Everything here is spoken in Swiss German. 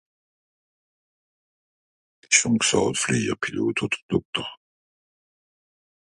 Juste compris ; le docteur